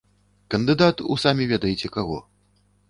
Кандыдат у самі ведаеце каго.